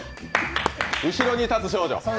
後ろに立つ少女？